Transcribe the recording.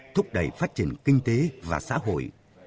thúc đẩy phát triển kinh tế và xã hội